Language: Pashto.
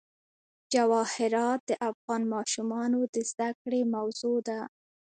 جواهرات د افغان ماشومانو د زده کړې موضوع ده.